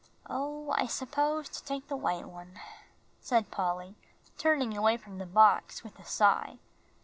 "Oh, I suppose to take the white one," said Polly, turning away from the box with a sigh.